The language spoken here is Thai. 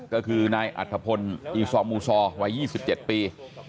ก็คือนายอัธพลอีซอมูซอวัย๒๗ปี